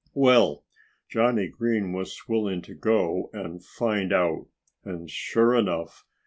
Well, Johnnie Green was willing to go and find out. And sure enough!